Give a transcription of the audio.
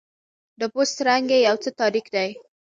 د پوست رنګ یې یو څه تاریک دی.